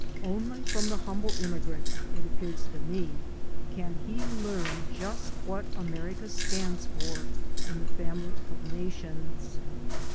Only from the humble immigrant, it appears to me, can he learn just what America stands for in the family of nations.